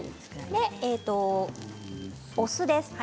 お酢です。